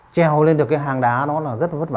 treo lên được cái hàng đá nó là rất là vất vả